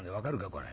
これ。